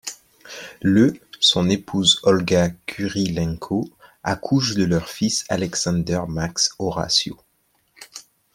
Le , son épouse Olga Kurylenko accouche de leur fils Alexander Max Horatio.